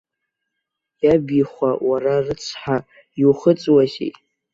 Иабихәа, уара рыцҳа иухыҵуазеи.